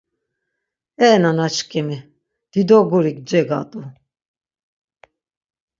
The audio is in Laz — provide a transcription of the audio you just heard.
E nanaşǩimi, dido guri cegat̆u.